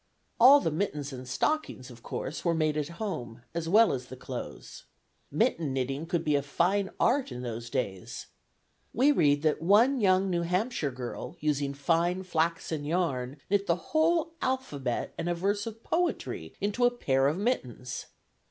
All the mittens and stockings, of course, were made at home as well as the clothes. Mitten knitting could be a fine art in those days. We read that one "young New Hampshire girl, using fine flaxen yarn, knit the whole alphabet and a verse of poetry into a pair of mittens!"